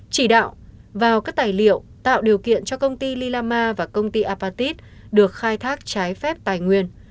chỉ đạo vào các tài liệu tạo điều kiện cho công ty lilama và công ty apatit được khai thác trái phép tài nguyên